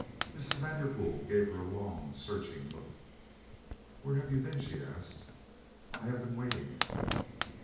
Mrs. Vanderpool gave her a long searching look. "Where have you been?" she asked. "I've been waiting."